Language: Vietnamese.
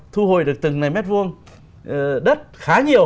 thu hồi được từng này mét vuông đất khá nhiều